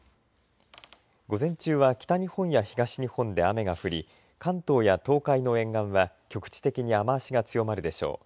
午前中は北日本や東日本で雨が降り関東や東海の沿岸は局地的に雨足が強まるでしょう。